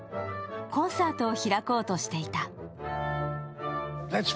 コンサートを開こうとしていた。